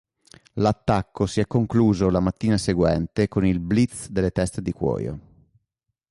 L'attacco si è concluso la mattina seguente con il blitz delle teste di cuoio.